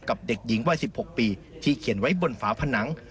เด็กหญิงวัย๑๖ปีที่เขียนไว้บนฝาผนัง